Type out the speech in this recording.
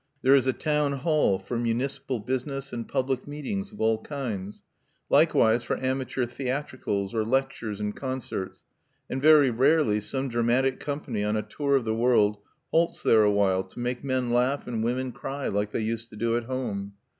There is a town hall, for municipal business and public meetings of all kinds, likewise for amateur theatricals or lectures and concerts; and very rarely some dramatic company, on a tour of the world, halts there awhile to make men laugh and women cry like they used to do at home.